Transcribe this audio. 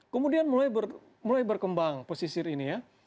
kemudian mulai berkembang pesisir ini ya